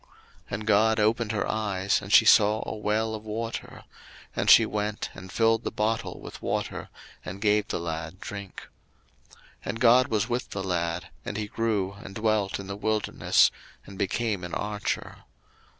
01:021:019 And God opened her eyes, and she saw a well of water; and she went, and filled the bottle with water, and gave the lad drink. 01:021:020 And God was with the lad; and he grew, and dwelt in the wilderness, and became an archer.